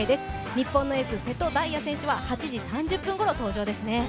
日本のエース、瀬戸大也選手は８時３０分ごろ登場ですね。